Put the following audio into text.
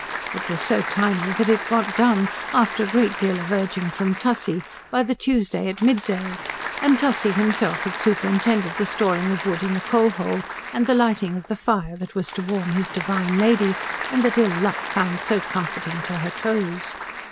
It was so tiny that it got done, after a great deal of urging from Tussie, by the Tuesday at midday, and Tussie himself had superintended the storing of wood in the coal hole and the lighting of the fire that was to warm his divine lady and that Ill Luck found so comforting to her toes.